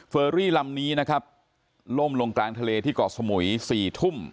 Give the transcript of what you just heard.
อรี่ลำนี้นะครับล่มลงกลางทะเลที่เกาะสมุย๔ทุ่ม